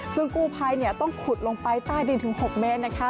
ซึ่งกู้ภัยต้องขุดลงไปใต้ดินถึง๖เมตรนะคะ